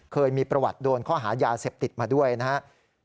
เคยมีประวัติโดนข้อหายาเสพติดมาด้วยนะครับ